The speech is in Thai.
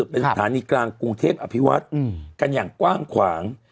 เป็นสถานีกลางกรุงเทพอภิวัฒน์กันอย่างกว้างขวาง